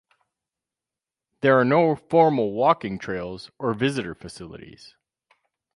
There are no formal walking trails or visitor facilities.